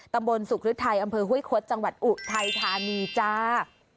ตำบลสุขฤทธิ์ไทยอำเภอเฮ้ยคสจังหวัดอุไทยธานีจ้า